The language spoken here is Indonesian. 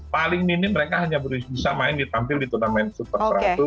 paling minim mereka hanya bisa main ditampil di turnamen super seratus